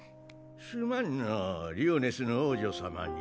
すまんのうリオネスの王女様に。